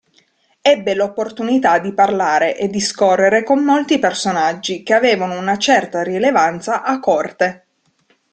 Ebbe l'opportunità di parlare e discorrere con molti personaggi che avevano una certa rilevanza a corte.